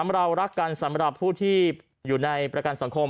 เรารักกันสำหรับผู้ที่อยู่ในประกันสังคม